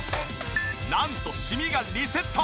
なんとシミがリセット！